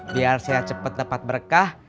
biar saya cepat dapat berkah